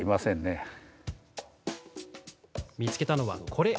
見つけたのは、これ。